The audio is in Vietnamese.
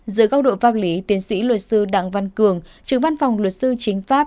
dưới góc độ pháp lý tiến sĩ luật sư đặng văn cường trưởng văn phòng luật sư chính pháp